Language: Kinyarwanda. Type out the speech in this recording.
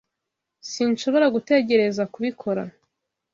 Sinshobora gutegereza kubikora.